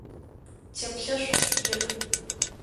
Теплъэшӏу иӏ.